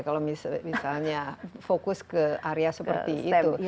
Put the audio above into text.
kalau misalnya fokus ke area seperti itu